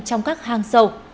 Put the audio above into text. trong các hang sâu